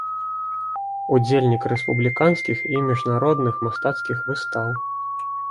Удзельнік рэспубліканскіх і міжнародных мастацкіх выстаў.